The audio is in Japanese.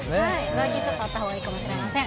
上着、ちょっとあったほうがいいかもしれません。